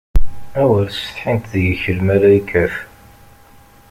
Awer setḥint deg-k lmalaykat!